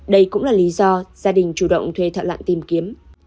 đây cũng là lý do gia đình chủ động thuê thợ lặn tìm kiếm